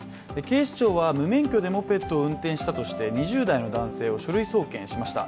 警視庁は無免許でモペットを運転したとして２０代の男性を書類送検しました。